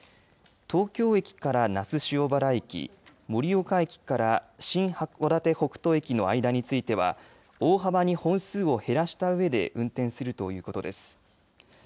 東京駅から那須塩原駅盛岡駅から新函館北斗駅の間については大幅に本数を減らしたうえで運転するということです。